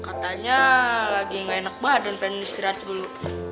katanya lagi gak enak banget dan pengen istirahat dulu